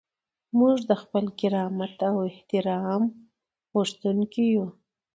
موږ د خپل کرامت او احترام غوښتونکي یو.